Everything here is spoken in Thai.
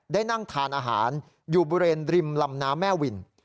ได้นั่งทานอาหารอยู่บริเวณริมลำน้ำแม่วิน